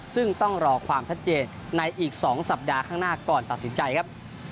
ซึ่งต้องรอความชัดเจนในอีก๒สัปดาห์ข้างหน้าก่อนตัดสินใจครับ